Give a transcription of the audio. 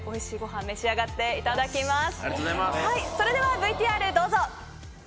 それではＶＴＲどうぞ！